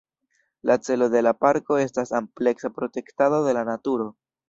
La celo de la parko estas ampleksa protektado de la naturo.